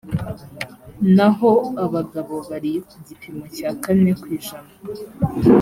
naho abagabo bari ku gipimo cya kane ku ijana